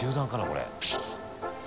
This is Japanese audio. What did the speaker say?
これ。